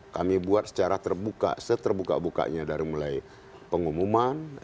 kami buat secara terbuka seterbuka bukanya dari mulai pengumuman